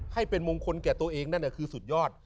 ให้เป็นมงคลแก่ตัวเองนั่นคือสุดยอด